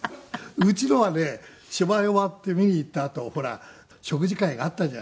うちのはね芝居終わって見に行ったあとほら食事会があったじゃん。